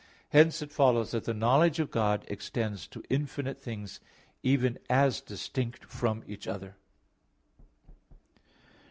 Hence it follows that the knowledge of God extends to infinite things, even as distinct from each other.